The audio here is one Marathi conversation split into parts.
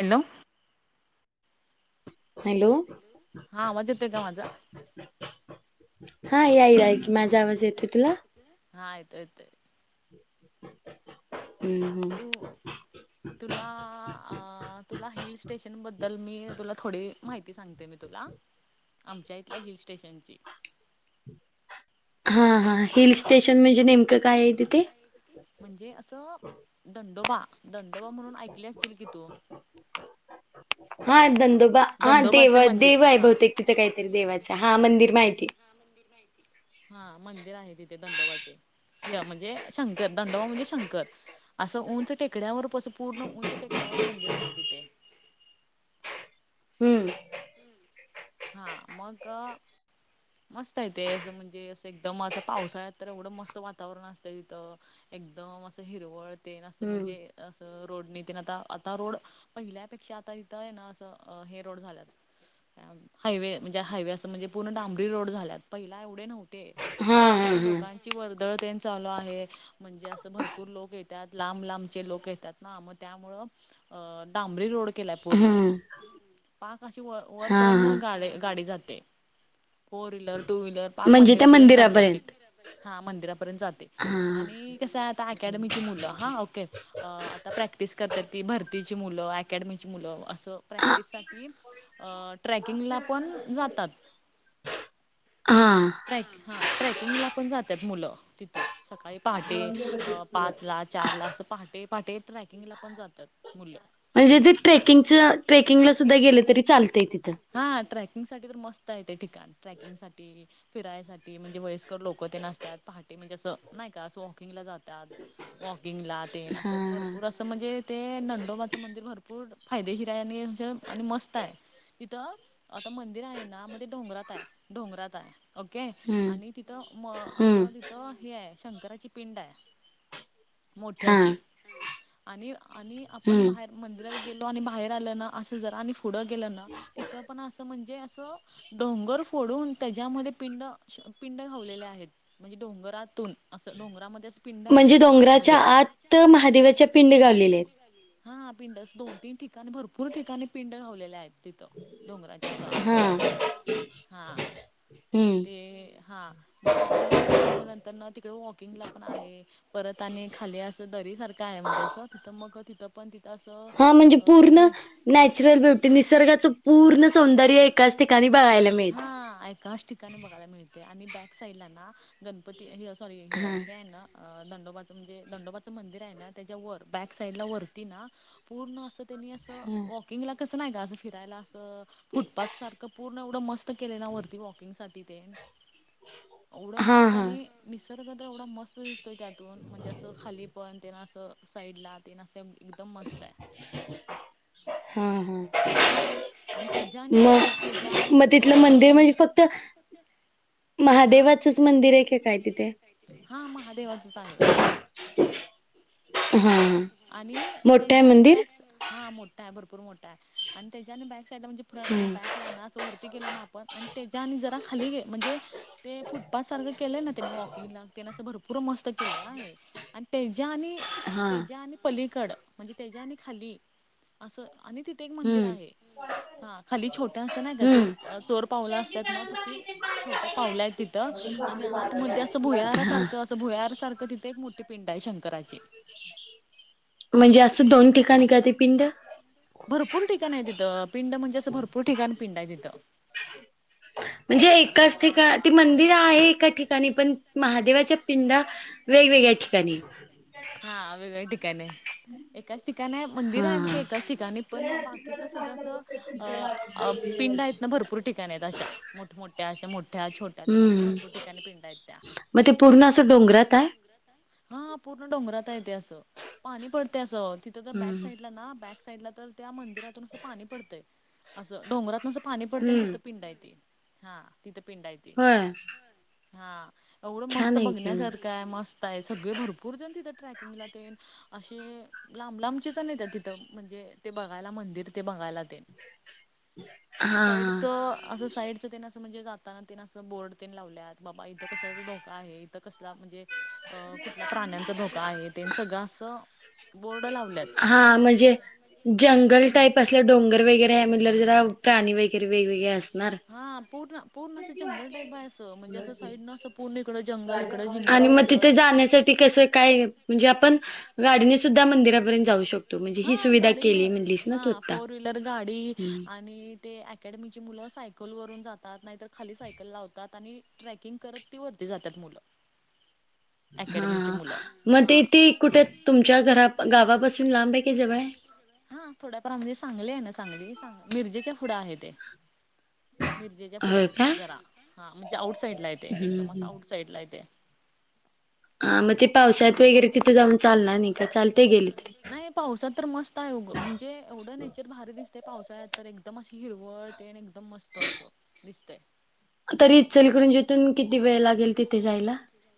हॅलो. हॅलो. हा आवाज येतोय का माझा? हा याई यायक माझा आवाज येतोय तुला? हा येतय येतय. [inaudible] हम्म हम्म. तु तुला अ तुला हिल स्टेशनबद्दल मी तुला थोडी माहिती सांगते मी तुला. आमच्या इथल्या हिल स्टेशनची. हा हा. हिल स्टेशन म्हणजे नेमकं काय आहे तिथे? म्हणजे असं दंडोबा दंडोबा म्हणून ऐकली असशील की तू? हा दंडोबा हा देव दंडोबाचे हाय मंदिर देव आहे हा बहुतेक. तिथं काहीतरी देवाचं हा मंदिर माहिती आहे. हा मंदिर आहे तिथे दंडोबाचे. ‌ हे म्हणजे शंकर दंडोबा म्हणजे शंकर. असं उंच टेकड्यावर असं पूर्ण उंच टेकड्यावर मंदिर आहे तिथे. हम्म. हा मग मस्त आहे ते असं म्हणजे असं एकदम असं पावसाळ्यात तर एवढं मस्त वातावरण असतं तिथं. एकदम असं हिरवळ तेन असं हम्म म्हणजे असं रोडनी तेन आता आता रोड पहिल्यापेक्षा आता इथं आहे ना असं अ हे रोड झाल्यात हायवे म्हणजे हायवे असं म्हणजे पूर्ण डांब लोड झाल्यात. पहिला एवढे नव्हते हा आता हा कसं हा लोकांची वर्दळ तेन चालू आहे. म्हणजे असं भरपूर लोक येत्यात. लांब लांबचे लोक येत्यात ना, मग त्यामुळं अ डांबरी रोड केलाय पूर्ण. हम्म पाक अशी हा हा वर-वरपर्यंत गा-गाडी जाते. फोर व्हीलर, टू व्हीलर पाक म्हणजे त्या मंदिरापर्यंत जाते आपली. हा मंदिरापर्यंत जाते हा आणि कसं आहे आता अकॅडमीची मुलं हा ओके. आता प्रॅक्टिस करतात ती भरतीची मुलं, अकॅडमीची मुलं असं हा प्रॅक्टिससाठी अ ट्रेकिंगला पण जातात. हा. ट्रॅक हां ट्रेकिंगला पण जात्याय मुलं तिथं. सकाळी पहाटे अं पाचला. चारला असं पहाटे पहाटे ट्रॅकिंगला पण जातात मुलं. म्हणजे ते ट्रेकिंगच ट्रेकिंगला सुद्धा गेलं तरी चालतंय तिथं. हा ट्रॅकिंग साठी तर मस्त आहे ते ठिकाण ट्रॅकिंग साठी फिरायसाठी म्हणजे वयस्कर लोक तेन असत्यात पहाटे म्हणजे असं नाही का असं वॉकिंगला जात वॉकिंग ला हा अस हा भरपूर अस. ं म्हणजे ते नंडोबाचं मंदिर भरपूर फायदेशीर आहे आणि जं आणि मस्त आहे. तिथं आता मंदिर आहे ना मध्ये डोंगरात आहे डोंगरात आहे. ओके हम्म आणि तिथं म हम्म असं. तर हे आहे शंकराची पिंड आहे हा मोठ्याशी आणि आणि आपण हम्म बाहेर मंदिरात गेलो आणि बाहेर आलं ना असं जरा आणि पुढं गेलं ना. तिथं पण असं म्हणजे असं. डोंगर फोडून त्याच्यामध्ये पिंड पिंड खावलेले आहेत. म्हणजे डोंगरातून असं डोंगरामध्ये पिंड आहेत म्हणजे असं डोंगराच्या आतमध्ये आत महादेवाच्या पिंडे गावलेले आहेत. हा पिंडस दोन तीन ठिकाणी भरपूर ठिकाणी पिंड ावलेले आहेत तिथं. डोंगराचे असो आहेत हा आतमध्ये असो हां हम्म ते हा मग त्याच्यामुं आणि मग नंतर ना तिकडे वॉकिंगला पण आहे. परत आणि खाली असं दरी सारखं आहे म्हणजे असं तिथं मग तिथं पण तिथं असं. हा म्हणजे अ पूर्ण असे नॅचरल ब्युटी निसर्गाचं पूर्ण सौंदर्य त्याच ठिकाणी बघायला मिळत. हा एकाच ठिकाणी बघायला मिळते आणि बॅक साइडला ना गणपती सॉरी हे हा आहे ना. अ दंडोबाचं म्हणजे दंडोबाचं मंदिर आहे ना त्याच्या वर बॅक साइडला वरती ना. पूर्ण असं त्यांनी असं वॉकिंगला कसं नाही का असं फिरायला असं. फुटपाथ सारखं पूर्ण एवढं मस्त केले ना वरती वॉकिंग साठी ते एवढं हा मस्त हा आणि निसर्ग तर एवढा मस्त दिसतोय त्यातून म्हणजे असं खाली पण तेना असं साईड ला तेना अस एकदम मस्त आहे. हां हां. आणि तेच्या्या आणि खाली त्याच्या्या आणि वरती गेलो. हा महादेवाचं मंदिर आहे काय तिथे हा महादेवाच आहे. हम्म. आणि मोठं आहे तेच्या मंदिर बॅक हा मोड आहे भरपूर मोटा आणि त्या बॅक साइड म्हणजे हम्म बँकला अस वरती केलो ना आपण आणि त्याच्या आणि जरा खाली म्हणजे ते फुटपाथ सारखं केलंय ना त्यांनी वॉकिंग ला त्यांं भर पुरं मस्त केले आहे आणि त्याच्या आणि हा. ज्या आणि पलीकड म्हणजे त्या ज्या आणि खाली असं आणि तिथे एक मंदिर हम्म आहे. हा खाली छोट्या असतं नाही का चोर हम्म चोर पावला असतात ना तशी छोट पाऊला आहे तिथं आणि आत मध्ये असं भुयारा हा सारखं अस. भुयारसारखं तिथे एक मोठे पिंड आहे शंकराची म्हणजे असं दोन ठिकाणी का ते पिंड भरपूर ठिकाण आहे तिथं पिंड म्हणजे असं भरपूर ठिकाण पिंड आहे तिथं. म्हणजे एकाच ठिका ती मंदिर आहे एका ठिकाणी पण महादेवाच्या पिंडा वेगवेगळ्या ठिकाणी हा अ भेट काने आहे. एकाच ठिकाणी आहे मंदिर हा आहे ते हा एकाच ठिकाणी पण बाकीच सगळं अस. अ पिंड आहेत ना भरपूर ठिकाणी आहेत अशा मोठ मोठ्या अशा मोठ्याछोट्या त्या असं हम्म भरपूर ठिकाणी पिंड आहेत त्या मग ते पूर्ण असं डोंगरात आहे. हा पूर्ण डोंगरात येते असं पाणी पडते असं तिथं तर बॅक हम्म साईडला ना बॅक साडला तर त्या मंदिरातून पाणी पडतय अस डोंगरात पाणी पडते आणि हम्म तिथं पिंड येते हा तिथं पिंड येते होय हा. एवढं छान मस्त आहे की मग बघण्यासारखं आहे मस्त आहे सगळे भरपूर जण तिथं ट्रॅकिंगला ते. असे लांब लांबचेच नाही त्या तिथं म्हणजे ते बघायला मंदिर ते बघायला. आणि हा साईडच अस साईडच. म्हणजे जाताना तिनं असं बोर्ड लावल्या बाबा इथं कशाचा धोका आहे इथं कसला म्हणजे अ कुठल्या प्राण्यांचा धोका आहे त्यां सगळं असं बोर्ड ला. हा म्हणजे जंगल हम्म. टाईप अस. हे डोंगर वेगैरे आहे म्हणर जरा प्राणी वेगैरे वेगवेगळे असणार. हां पूर्ण. पूर्ण असं जंगल टाईप आहे असं म्हणजे असं साईड न असं पूर्ण इकडं जंगल इकड जिंगल जंगल. ते कस काय म्हणजे आपण गाडीने सुद्धा मंदिरापर्यंत जाऊ शकतो. म्हणजे हा ही सुविधा गाडी केली नाही म्हणलीस ना हा तू आता फोर व्हीलर गाडी हम्म. आणि ते ऍ अकॅडमीची मुलं सायकलवरून जातात नाहीतर खाली सायकल लावतात आणि ट्रेकिंग करत ती वरती जातात मुलं. हा अकॅडमीची हा मुलं मग ते हा ते कुठे तुमच्या घरा गावापासून लांब आहे काय जवळ हाय. हा थोड्याफार म्हणजे चांगले आहे ना चांगली मिरजेच्या फुडं आहे ते मिरजेच्या पुढं होय का जरा हा म्हणजे आउट साईड ला येते हम्म एकदम हम्म आउट साईड ला येते. हा मग ते पावस्याात वगैरे तिथे जाऊन चालणार नाही का चालते गेले. तरी नाही पावसाात तर मस्त आहे वं म्हणजे एवढं नेचर भारी दिसते पावसाळ्यात तर एकदम अशी हिरवळ. टन एकदम मस्त असं दिसत आहे. तरी चलीकडून जिथून किती वेळ लागेल तिथे जायला.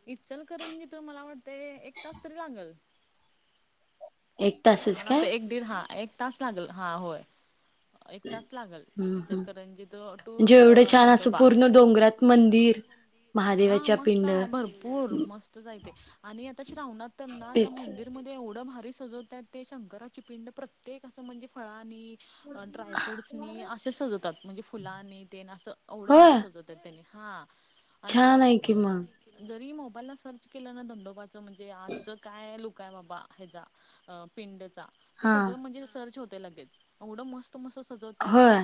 इ चल करणजी तू मला वाटते एक तास तरी लागल. एक तास. मला आता एक दीड हा एक तास लागल हा होय. एक तास लागल हम्म हम्म. विचलकरंजी टू म्हणजे एवढं छान असं दंडोबा. पूर्ण डोंगरात. मंदिर. हा महादेवाच्या मस्त पिंड आहे भरपूर मस्तचय आहे ते आणि आता श्रावणात त्याना त्या तेच मंदिर. मध्ये एवढं भारी सजवतात ते शंकराची पिंड प्रत्येक असं म्हणजे फळानी. ड्राय फ्रूट्सनी असे सजवतात म्हणजे फुलानी ते असं एवढं भारी होय सजवत. तर त्यानी हा. आणि छान आहे कि मग. जरी मोबाईलला सर्च केलं ना धंडोबाचं म्हणजे आजचं काय लोक. काय बाबा ह्याचा अ पिंडचा ते हा सगळं म्हणजे सर्च होते लगेच एवढं मस्त. तमस सजवत्यात. होय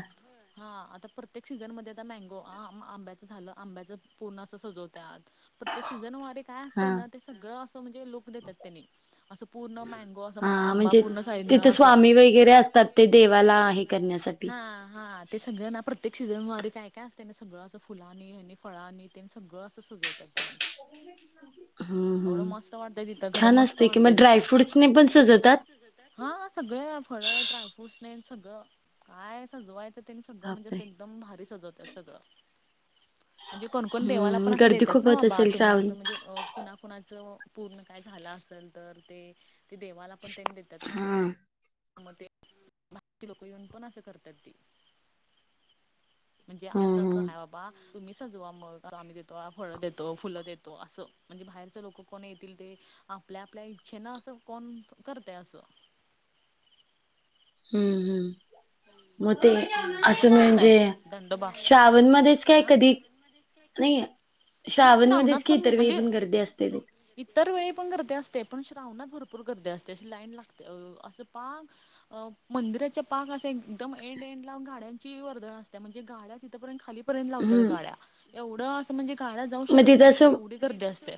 हा आता प्रत्येक सीझनमध्ये आता मँगो आ आंब्याचं झालं आंब्याचं. पूर्ण अस सजवत्यात प्रत्येक सीझन वारे काय हा असतं ना ते सगळं असं म्हणजे लोक देतात त्यांनी. असं पूर्ण मँगो असं हा आंबा म्हणजे पूर्ण साईडन तिथे अस स्वामी असतात वगैरे ते असतात देवाला हे ठेवा. करण्यासाठी हा हा ते सगळं ना प्रत्येक सीझन वारी काय काय असतें ना सगळं असं फुलानी आणि फळानी. ते सगळं असं सजवतात त्यानी हम्म ऐवढ हम्म. मस्त वाटतय तिथं घर छान मस्त असते कि वाटतय मग तिथं. ड्रायफ्रूट्सने पण सजवतात हा सगळं फळ ड्रायफ्रूट स्नेन सगळं काय सजवायचं. तर त्यांनी सगळं म्हणजे बापरे असं एकदम भारी सजवतात सगळं. म्हणजे कोणकोण देवाला हम्म पण असं गर्दी देतात खूप ना होत बाबा असेल तुम्ही श्रावण असं म्हणजे कुणा कुणाचं पूर्ण काय झालं असेल तर ते ते देवाला पण त्यांनी देतात ना. हा हम्म मग ते बाकी ची लोक येऊन पण असं करतात ती. म्हणजे आ असं हम्म हाय बाबा. तुम्ही सजवा मग आम्ही देतो फळं देतो फुलं देतो असं म्हणजे बाहेरचं लोकं कोण येतील ते. आपल्या आपल्या इच्छेन असं कोण करतय असं. हम्म हम्म. मग ते हम्म पण असं मस्त म्हणजे आहे दंडोबा श्रावणमध्येच काय हा कधी. नाही हा श्रावण श्रावणात मध्येच की इतर वेली म्हणजे पण गर्दी असते. इतर वेळी पण गर्दी असते पण श्रावणात भरपूर गर्दी असते अशी लाईन लागते अ असं पाग. मंदिराच्या पाक असे एकदम एंड एंड ला गाड्यांची वर्दळ असत्या म्हणजे गाड्या तिथंपर्यंत खालीपर्यंत लावत्यात हम्म गाड्या एवढं असं म्हणजे गाड्या जाऊ मग शकत तिथं नाहीत पुढे एवढी गर्दी असते.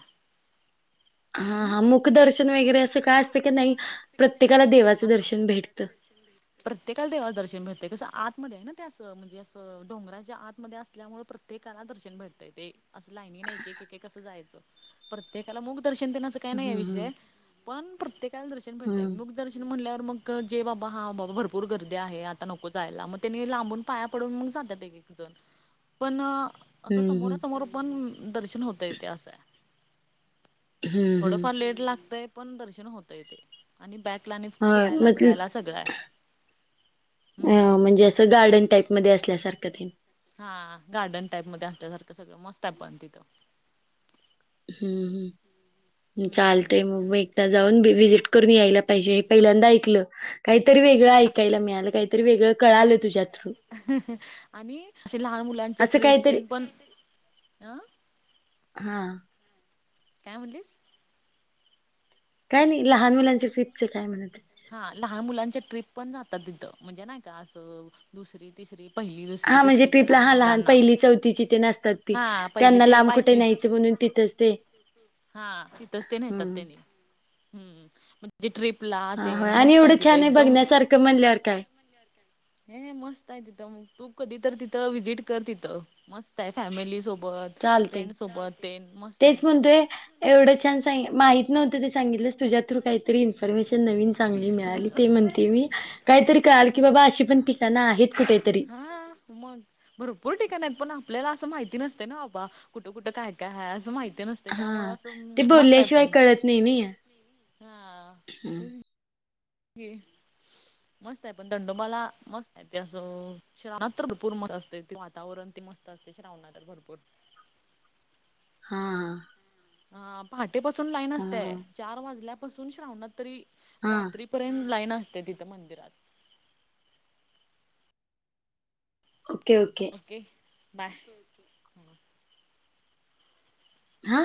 अ हा हम्म हा मुख दर्शन वगैरे असं काय असतं की नाही प्रत्येकाला देवाचं असते. दर्शन भेटतं. प्रत्येकाला देवाला दर्शन भेटते कसं आतमध्ये आहे ना ते असं म्हणजे असं डोंगरांच्या आतमध्ये असल्यामुळे प्रत्ये प्रत्येकाला दर्शन भेटतय ते असं लाईनन एक कसं जायचं प्रत्येकाला मुख दर्शन देण्याच काय नाही या हम्म विषय पण प्रत्येकाला दर्शन हम्म भेटतय हम्म मुख दर्शन म्हणल्यावर मग जे ब हा बाबा भरपूर गर्दी आहे आता नको जायला मग त्यांनी लांबून पाया पडून मग जातात एक एक जण पण अ असं हम्म समोरासमोर पण दर्शन होतय ते अस आहे हम्म हम्म थोडंफार लेट लागतय पण दर्शन होतंय ते आणि बॅक ला आणि बर म फिरायला ते अ बिरायला सगळं आहे. हम्म म्हणजे असं गार्डन टाईप मध्ये असल्यासारखं ते हा गार्डन टाईप मध्ये असल्यासारखं सगळं मस्त आहे पण तिथं. हम्म हम्म हम्म चालते मग मी एकदा जाऊन व्हिजिट करूनी यायला पाहिजे हे पहिल्यांदा ऐकलं. काहीतरी वेगळं ऐकायला मिळालं, काहीतरी वेगळं कळालं तुझ्या थ्रू. अ हं हं आणि असे लहान मुलांचे असं ट्रिप ते काहीतरी पण अ हा काय म्हणलीस? काय नाही लहान मुलांचे ट्रिपचे काय म्हणते हा लहान मुलांच्या ट्रिप पण जातात तिथं म्हणजे नाही का असं दुसरी, तिसरी, पहिली, दुसरी, हा म्हणजे तिसरीच्या ट्रिपला लहान हा मुलांना पहिली चौथीची ते नसतात ती हा हा त्यांना लांब कुठे न्यायचं म्हणून तिथंच ते हा तीथंच ते नेहतात हम्म त्यांनी हम्म म्हणजे ट्रीपला हा ते होय आणि मस्त आहे एवढं तिथं छान एकदम बघण्यासारखं म्हणल्यावर काय हे मस्त आहे तिथं मंग तू कधी तर तिथं व्हिजिट कर तिथं. मस्त आहे फॅमिली सोबत चालतंय फ्रेंड सोबत ते मस्त आहे तेच तिथं म्हणतोय एवढं छान सांग माहित नव्हत तू सांगितलंस तुझ्या थ्रू काही तरी इन्फॉर्मेशन नवीन चांगली मिळाली ते म्हणते मी काहीतरी कळालं की बाबा अशी पण ठिकाणं आहेत कुठेतरी. हां.. मग भरपूर ठिकाण आहेत पण आपल्याला असं माहिती नसते ना बाबा कुठं कुठं? काय काय? आहेय असं माहिती नस ते हा त्यामुळं ते असं मस्त आहे बोलल्याशिवाय पण कळत नाही नाही हा आ हा हे मस्त आहे पण दंडोबाला मस्त आहे. ते असं श्रावणात तर भरपूर मस्त असते ते वातावरण ते मस्त असते श्रावणात तर भरपूर हा हा आ हा अ पहाटेपासून लाईन असतेय हा चार वाजल्यापासून श्रावणात तरी हा रात्री. पर्यंत लाईन असते तिथं मंदिरात. अ ओके बाय ह्म्म आ..